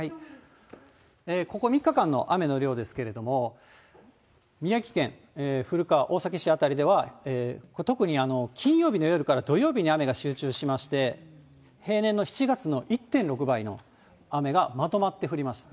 ここ３日間の雨の量ですけれども、宮城県古川、大崎市辺りでは、特に金曜日の夜から土曜日に雨が集中しまして、平年の７月の１．６倍の雨がまとまって降りました。